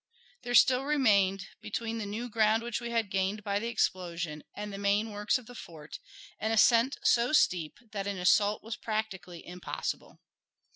There still remained between the new ground which we had gained by the explosion and the main works of the fort an ascent so steep that an assault was practically impossible.